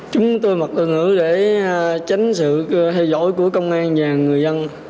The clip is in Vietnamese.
chúng tôi mặc đồ nữ để tránh sự theo dõi của công an và người dân